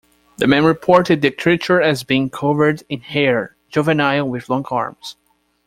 The man reported the creature as being covered in hair, juvenile with long arms.